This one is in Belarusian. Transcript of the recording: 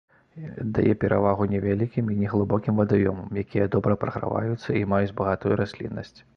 Аддае перавагу невялікім і неглыбокім вадаёмам, якія добра праграваюцца і маюць багатую расліннасць.